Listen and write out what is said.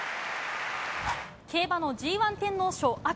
競馬のＧ１天皇賞秋。